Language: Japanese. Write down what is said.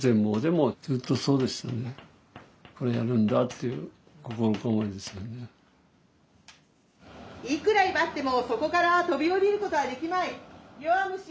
「いくら威張ってもそこから飛び降りることはできまい」。